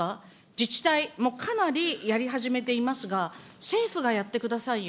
自治体、もうかなりやり始めていますが、政府がやってくださいよ。